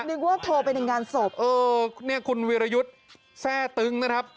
นึกว่าโทรไปในงานศพเออเนี่ยคุณวีรยุทธ์แทร่ตึงนะครับ